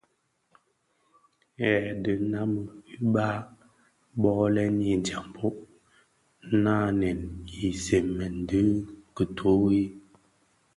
Hei dhi ňannë uba bo: lènii djambhog ňanèn u sigmèn di kituri,